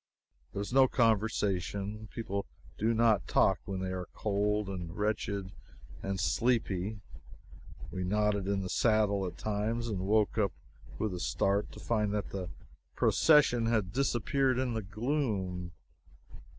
There was no conversation. People do not talk when they are cold, and wretched, and sleepy. We nodded in the saddle, at times, and woke up with a start to find that the procession had disappeared in the gloom.